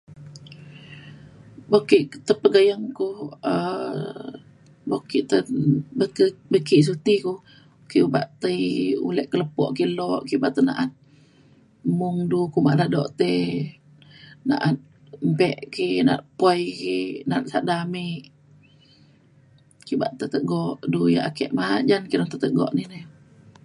buk ke tuk ke pegayeng ku um buk ki te buk ki suti ku ke obak tei ulek ke lepo ke lok ke bak te na'at mung du ko badak dok tei na'at mbe ki na'at pui ki na'at sada ame ki bak te tegok du yak ake majan kira ake petegok ni re